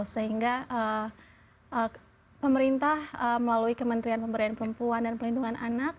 sehingga pemerintah melalui kementerian pemberdayaan perempuan dan pelindungan anak